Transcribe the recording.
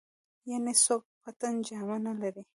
يعنې څوک په تن جامه نه لري.